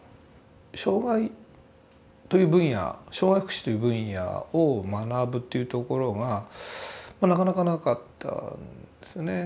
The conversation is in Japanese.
障害という分野障害福祉という分野を学ぶというところがなかなかなかったんですね。